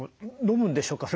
のむんでしょうか？